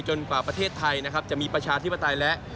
กว่าประเทศไทยนะครับจะมีประชาธิปไตยและ